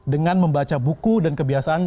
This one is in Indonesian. dengan membaca buku dan kebiasaan